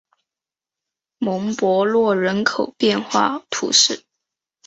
蒙博洛人口变化图示